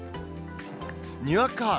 にわか雨。